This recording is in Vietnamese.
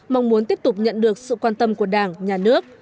mong muốn tiếp tục nhận được sự quan tâm của đảng nhà nước